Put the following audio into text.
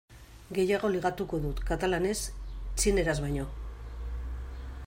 Gehiago ligatuko dut katalanez txineraz baino.